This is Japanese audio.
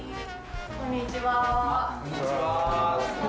こんにちは。